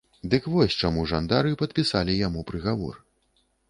Дык вось чаму жандары падпісалі яму прыгавор.